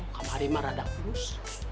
kamarima rada alus